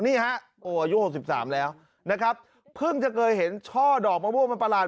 นี่ฮะโอ้อายุ๖๓แล้วนะครับเพิ่งจะเคยเห็นช่อดอกมะม่วงมันประหลาด